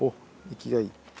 生きがいい。